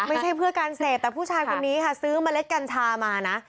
ไม่ใช่เพื่อการเสพแต่ผู้ชายคนนี้ค่ะซื้อเมล็ดกัญชามานะ